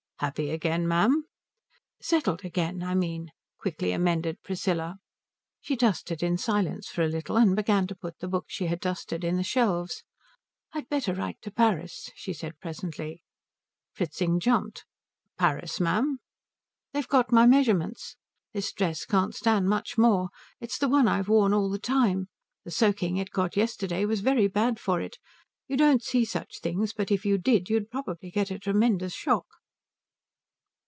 "Happy again, ma'am?" "Settled again, I mean," quickly amended Priscilla. She dusted in silence for a little, and began to put the books she had dusted in the shelves. "I'd better write to Paris," she said presently. Fritzing jumped. "Paris, ma'am?" "They've got my measurements. This dress can't stand much more. It's the one I've worn all the time. The soaking it got yesterday was very bad for it. You don't see such things, but if you did you'd probably get a tremendous shock."